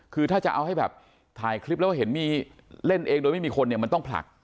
คือถ้าจะเอาให้แบบถ่ายคลิปแล้วเห็นมีเล่นเองโดยไม่มีคนเนี่ยมันต้องผลัก